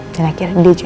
dan akhirnya dijujur